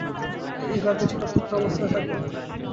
এই ভাব কিছুকাল সুপ্ত অবস্থায় থাকে।